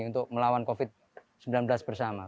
untuk melawan covid sembilan belas bersama